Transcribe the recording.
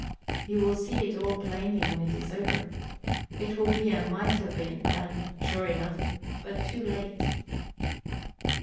You will see it all plainly when it is over. It will be a "might have been" then, sure enough, but too late.